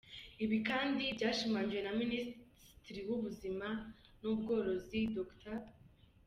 Ibi kandi byashimangiwe na Minisitiri w’Ubuhinzi n’Ubworozi, Dr.